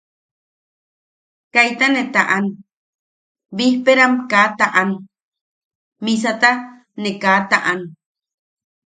Kaita ne taʼan, bijpeeram kaa taʼan, misata ne kaa taʼan.